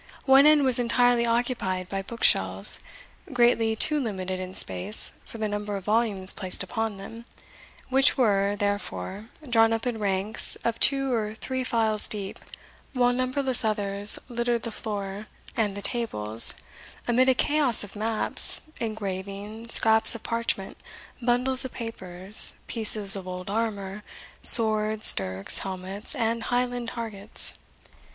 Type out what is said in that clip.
One end was entirely occupied by book shelves, greatly too limited in space for the number of volumes placed upon them, which were, therefore, drawn up in ranks of two or three files deep, while numberless others littered the floor and the tables, amid a chaos of maps, engraving, scraps of parchment, bundles of papers, pieces of old armour, swords, dirks, helmets, and Highland targets.